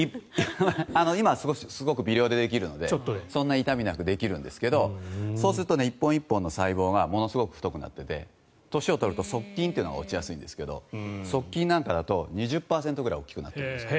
今すごく微量でできるのでそんなに痛みなくできるんですけどそうすると１本１本の細胞がものすごく太くなっていて年を取ると速筋というのが落ちやすいんですけど速筋なんかだと２０％ぐらい大きくなってるんです。